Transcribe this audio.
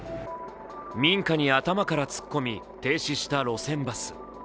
民家に頭から突っ込み停止した路線バス。